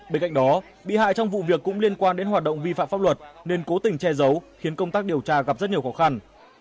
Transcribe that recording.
bên cạnh đó bị hại trong vụ việc cũng liên quan đến hoạt động vi phạm pháp luật nên cố tình che giấu khiến công tác điều tra gặp rất nhiều khó khăn